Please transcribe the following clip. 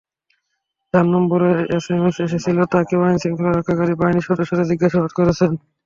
যাঁর নম্বরে এসএমএস এসেছিল, তাঁকেও আইনশৃঙ্খলা রক্ষাকারী বাহিনীর সদস্যরা জিজ্ঞাসাবাদ করেছেন।